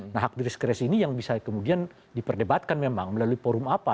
nah hak diskresi ini yang bisa kemudian diperdebatkan memang melalui forum apa